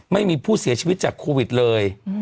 ไม่มีผู้เสียชีวิตจากโควิดเลย